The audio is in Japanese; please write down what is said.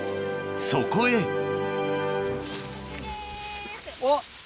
そこへおっ。